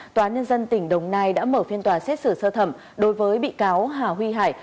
tòa nhân dân tỉnh đồng nai đã mở phiên tòa xét xử sơ thẩm đối với bị cáo hà huy hải